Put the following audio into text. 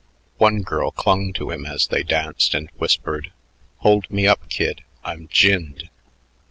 One girl clung to him as they danced and whispered, "Hold me up, kid; I'm ginned."